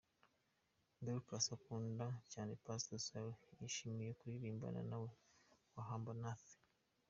Dorcas ukunda cyane Pastor Solly yishimiye kuririmbana nawe "Wahamba Nathi".